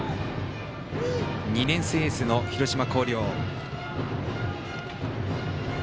２年生、エースの広島・広陵。